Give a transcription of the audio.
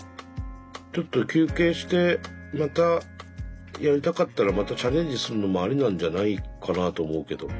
ちょっと休憩してまたやりたかったらまたチャレンジするのもありなんじゃないかなと思うけど。